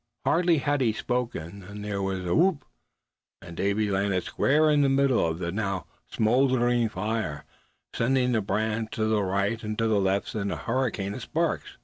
Hardly had he spoken than there was a whoop, and Davy landed squarely in the middle of the now smouldering fire, sending the brands to the right and to the left in a hurricane of sparks.